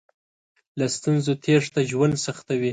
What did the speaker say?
له ستونزو تېښته ژوند سختوي.